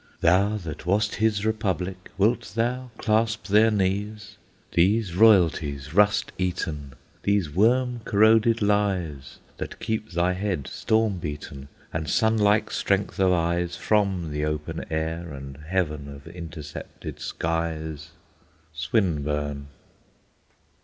Thou that wast his Republic, Wilt thou clasp their knees? These royalties rust eaten, These worm corroded lies That keep thy head storm beaten, And sun like strength of eyes From the open air and heaven Of intercepted skies! SWINBURNE.